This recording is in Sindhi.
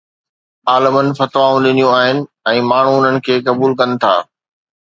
عالمن فتوائون ڏنيون آهن ۽ ماڻهو ان کي قبول ڪن ٿا